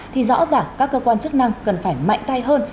thì rõ ràng các cơ quan chức năng cần phải mạnh tay hơn